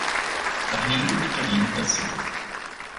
Arlindo Vitorino da Silva